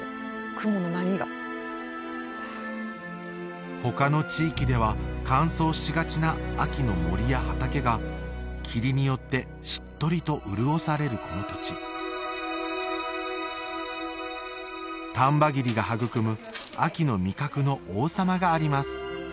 雲の波が他の地域では乾燥しがちな秋の森や畑が霧によってしっとりと潤されるこの土地丹波霧が育む秋の味覚の王様があります